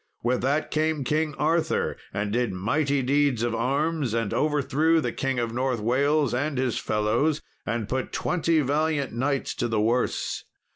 With that came King Arthur, and did mighty deeds of arms, and overthrew the King of North Wales and his fellows, and put twenty valiant knights to the worse.